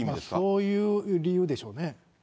そういう理由でしょうね。